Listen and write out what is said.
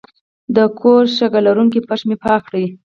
د کور شګه لرونکی فرش مې پاک کړ.